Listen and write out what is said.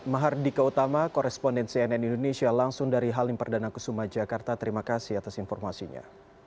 mahardika utama koresponden cnn indonesia langsung dari halim perdana kusuma jakarta terima kasih atas informasinya